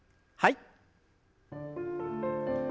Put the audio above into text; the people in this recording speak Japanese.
はい。